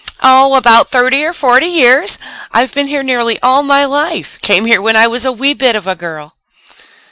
"Oh, about thirty or forty years. I've been here nearly all my life. Came here when I was a wee bit of a girl."